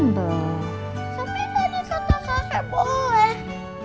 sampai tadi santai santai boleh